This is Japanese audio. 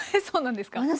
そうなんですか。